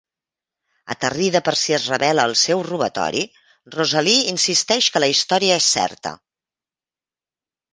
Aterrida per si es revela el seu robatori, Rosalie insisteix que la història és certa.